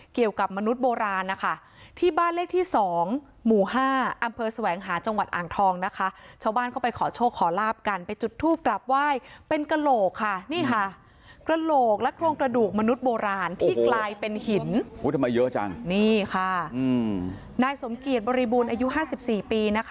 เกี่ยวกับมนุษย์โบราณ